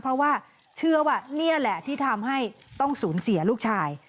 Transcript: เพราะว่าเชื่อว่านี่แหละที่ทำให้ต้องสูญเสียลูกชาย